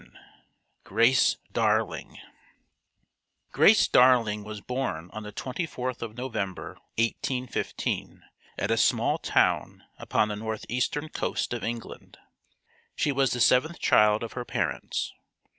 XI GRACE DARLING Grace Darling was born on the 24th of November, 1815, at a small town upon the northeastern coast of England. She was the seventh child of her parents.